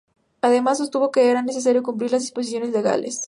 Además, sostuvo que era necesario cumplir las disposiciones legales.